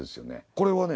これはね